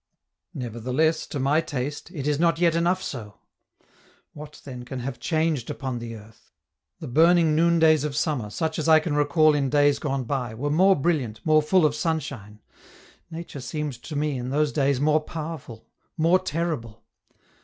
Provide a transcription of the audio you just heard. Nevertheless, to my taste, it is not yet enough so! What, then, can have changed upon the earth? The burning noondays of summer, such as I can recall in days gone by, were more brilliant, more full of sunshine; Nature seemed to me in those days more powerful, more terrible.